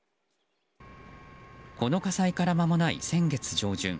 この火災からまもない先月上旬。